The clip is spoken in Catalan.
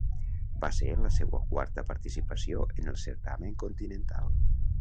Va ser la seua quarta participació en el certamen continental.